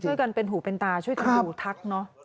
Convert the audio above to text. ช่วยกันเป็นหูเป็นตาช่วยทุกคนดูทัก